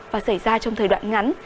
và xảy ra trong thời đoạn ngắn